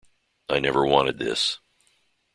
'I never wanted this'.